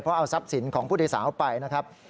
เพราะเอาทรัพย์สินของผู้โดยสารไปนะครับ